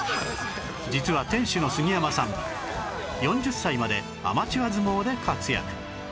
実は店主の杉山さん４０歳までアマチュア相撲で活躍